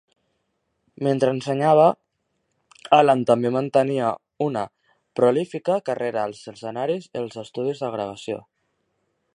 Mentre ensenyava, Alan també mantenia una prolífica carrera als escenaris i als estudis de gravació.